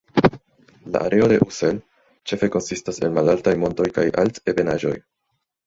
La areo de Ussel ĉefe konsistas el malaltaj montoj kaj altebenaĵoj.